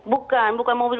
bukan bukan mobil